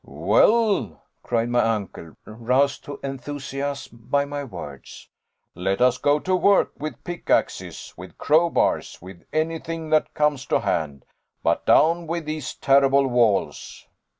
"Well," cried my uncle, roused to enthusiasm by my words, "Let us go to work with pickaxes, with crowbars, with anything that comes to hand but down with these terrible walls."